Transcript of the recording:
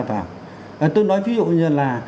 vào tôi nói ví dụ như là